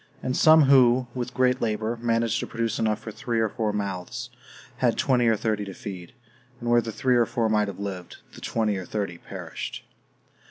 And some who, with great labor, managed to produce enough for three or four mouths, had twenty or thirty to feed; and where the three or four might have lived, the twenty or thirty perished.